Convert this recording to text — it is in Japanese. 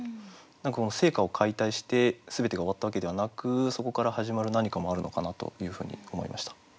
何かこの生家を解体して全てが終わったわけではなくそこから始まる何かもあるのかなというふうに思いました。